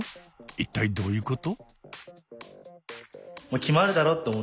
一体どういうこと？